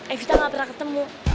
evita gak pernah ketemu